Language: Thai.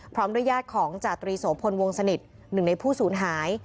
พร้อมด้วยญาติของจาตรีโสพลวงสนิทหนึ่งในผู้สูญหาย